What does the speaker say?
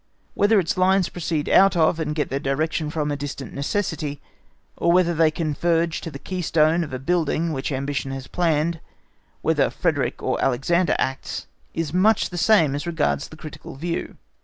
Whether its lines proceed out of and get their direction from a distant necessity, or whether they converge to the keystone of a building which ambition has planned, whether Frederick or Alexander acts, is much the same as regards the critical view.